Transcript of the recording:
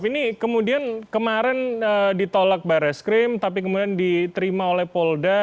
ini kemudian kemarin ditolak barreskrim tapi kemudian diterima oleh polda